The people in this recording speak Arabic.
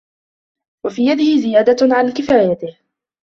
وَفِي يَدِهِ زِيَادَةً عَنْ كِفَايَتِهِ